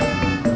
ya pat teman gue